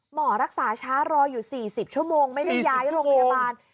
หมอรักษาช้ารออยู่๔๐ชั่วโมงไม่ได้ย้ายโรงพยาบาล